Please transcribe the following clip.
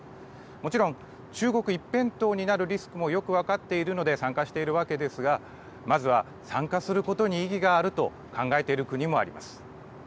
もちろん中国一辺倒になるリスクもよく分かっているので参加しているわけですがまずは参加することに意義があると考えている国もあります。